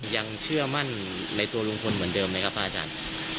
ยังเชื่อมั่นในตัวลุงพลเหมือนเดิมไหมครับพระอาจารย์